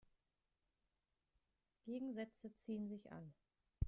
Gegensätze ziehen sich an.